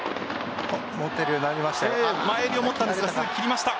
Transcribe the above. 持てるようになりました。